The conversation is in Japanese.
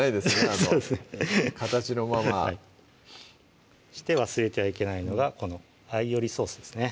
あの形のままそして忘れてはいけないのがこのアイオリソースですね